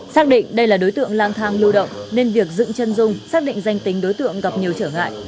xác định đây là đối tượng lang thang lưu động nên việc dựng chân dung xác định danh tính đối tượng gặp nhiều trở ngại